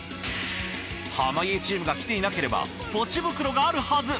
濱家チームが来ていなければポチ袋があるはず。